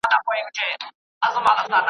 د وطن په یاد، دا نسبتاً اوږده غزل ولیکله: .